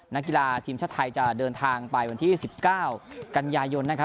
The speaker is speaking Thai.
นางกีฬาทีมชาตรไทยจะเดินทางไปวันที่สิบเก้ากัญญายนนะครับ